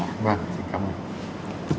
vâng cảm ơn